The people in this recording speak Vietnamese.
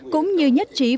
cũng như nhất trí phổ biến